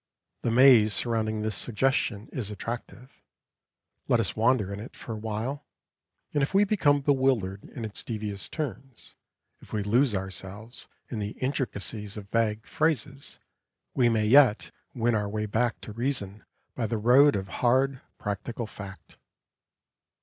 The maze surrounding this suggestion is attractive; let us wander in it for awhile, and if we become bewildered in its devious turns, if we lose ourselves in the intricacies of vague phrases, we may yet win our way back to reason by the road of hard, practical fact.